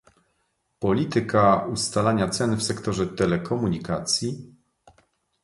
Polityka ustalania cen w sektorze telekomunikacji